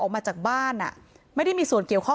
คำให้การในกอล์ฟนี่คือคำให้การในกอล์ฟนี่คือ